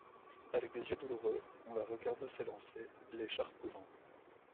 Avec des yeux douloureux, on la regarda s'élancer, l'écharpe au vent.